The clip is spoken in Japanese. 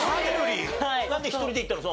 なんで１人で行ったの？